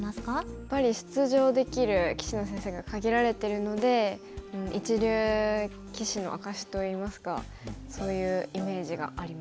やっぱり出場できる棋士の先生が限られてるので一流棋士の証しといいますかそういうイメージがありますね。